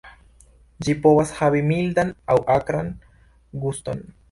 Ĝi povas havi mildan aŭ akran guston.